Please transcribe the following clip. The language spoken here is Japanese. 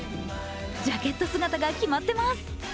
ジャケット姿が決まってます。